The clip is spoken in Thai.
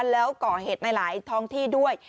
แล้วก่อเหตุในหลายท้องที่ด้วย